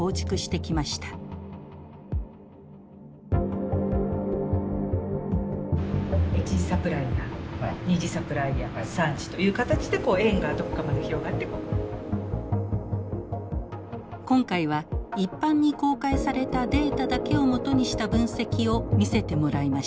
今回は一般に公開されたデータだけを基にした分析を見せてもらいました。